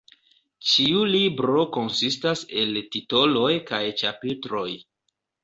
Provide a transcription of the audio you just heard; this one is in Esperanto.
Ĉiu libro konsistas el titoloj kaj ĉapitroj.